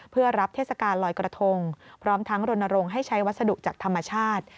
เพื่อรับเทศกาลลอยกระทงพร้อมทั้งรณรงค์ให้ใช้วัสดุจากธรรมชาติ